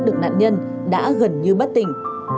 được nạn nhân đã gần như bất tỉnh